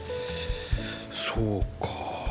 そうかあ。